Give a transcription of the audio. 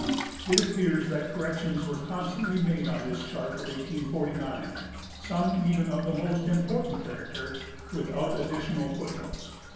It appears that cor rections were constantly made on this chart of 1849, some, even of the most important character, without additional foot notes.